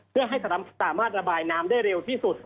เพื่อให้สามารถระบายน้ำได้เร็วที่สุด